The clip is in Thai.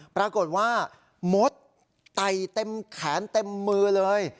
ปรากฏว่ามดไต่เต็มแขนเต็มมือเลย